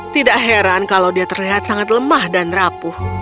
tidak heran kalau dia terlihat sangat lemah dan rapuh